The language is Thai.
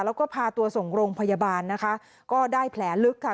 แล้วก็พาตัวส่งโรงพยาบาลนะคะก็ได้แผลลึกค่ะ